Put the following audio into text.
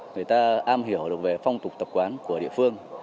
người ta am hiểu được về phong tục tập quán của địa phương